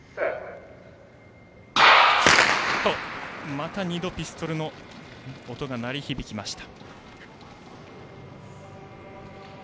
また２度、ピストルの音が鳴り響きました。